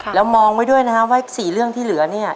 แล้วมองไว้ด้วยนะครับว่า๔เรื่องที่เหลือเนี่ย